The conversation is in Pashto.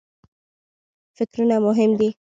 فکرونه مهم دي.